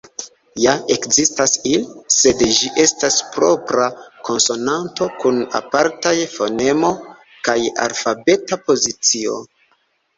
Ja ekzistas "ll", sed ĝi estas propra konsonanto kun apartaj fonemo kaj alfabeta pozicio.